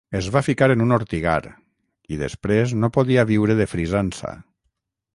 Es va ficar en un ortigar, i després no podia viure de frisança.